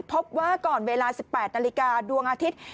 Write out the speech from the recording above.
พบว่าก่อนเวลา๑๘นาฬิกาดวงอาทิตย์